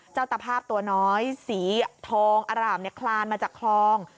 เจ้าตะภาพตัวน้อยสีทองอารามเนี่ยคลานมาจากคลอง